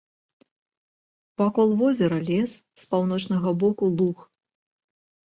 Вакол возера лес, з паўночнага боку луг.